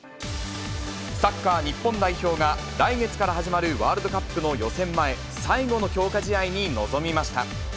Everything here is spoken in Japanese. サッカー日本代表が、来月から始まるワールドカップの予選前、最後の強化試合に臨みました。